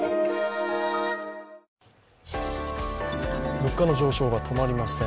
物価の上昇が止まりません。